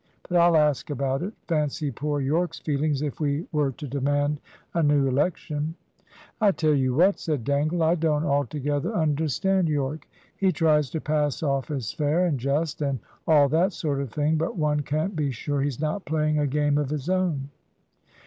But I'll ask about it. Fancy poor Yorke's feelings if we were to demand a new election!" "I tell you what," said Dangle, "I don't altogether understand Yorke. He tries to pass off as fair, and just, and all that sort of thing; but one can't be sure he's not playing a game of his own."